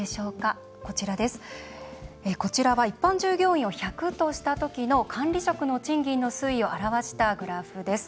こちらは一般従業員を１００とした時の管理職の賃金の推移を表したグラフです。